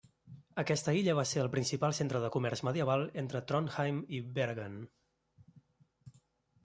Aquesta illa va ser el principal centre de comerç medieval entre Trondheim i Bergen.